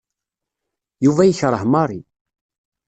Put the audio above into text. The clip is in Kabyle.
Yuba yekṛeh Mary.